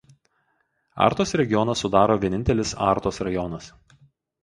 Artos regioną sudaro vienintelis Artos rajonas.